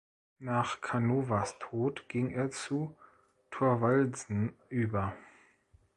Nach Canovas Tod ging er zu Thorvaldsen über.